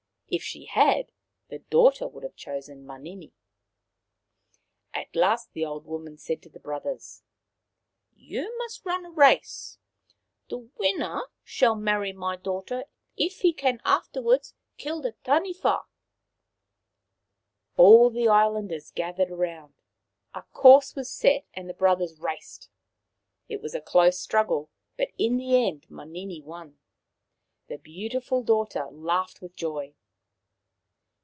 If she had, the daughter would have chosen Manini. At last the old woman said to the brothers :" You must run a race. The winner shall marry my daughter if he can afterwards kill the Tani wha." All the islanders gathered round, a course was set, and the brothers raced. It was a close struggle, but in the end Manini won. The beautiful daughter laughed with joy.